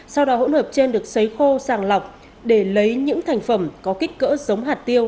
sau đó hỗn hợp trên được xấy khô sàng lọc để lấy những thành phẩm có kích cỡ giống hạt tiêu